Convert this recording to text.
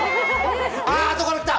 あ！後から来た！